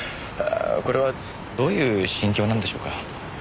これはどういう心境なんでしょうか？